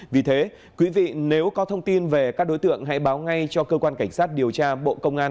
vì thế quý vị nếu có thông tin về các đối tượng hãy báo ngay cho cơ quan cảnh sát điều tra bộ công an